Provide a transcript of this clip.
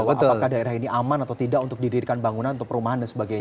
apakah daerah ini aman atau tidak untuk didirikan bangunan atau perumahan dan sebagainya